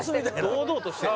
堂々としてる。